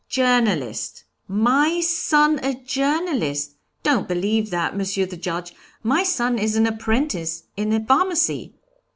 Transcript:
'Journalist! My son a journalist! Don't believe that, Monsieur the Judge, my son is an apprentice in a pharmacy.'